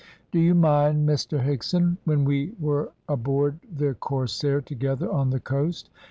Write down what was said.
"Do you mind, Mr Higson, when we were aboard the Corsair together on the coast?